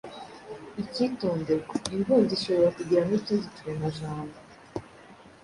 Ikitonderwa: Imbundo ishobora kugira n’utundi turemajambo,